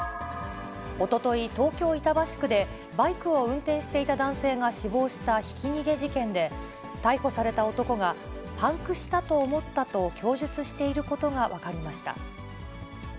おととい、東京・板橋区でバイクを運転していた男性が死亡したひき逃げ事件で、逮捕された男が、パンクしたと思ったと供述していることが分かりました。